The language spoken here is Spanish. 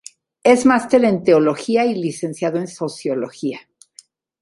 Es master en Teología y licenciado en Sociología.